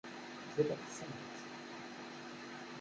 ?ile? tessne?-t.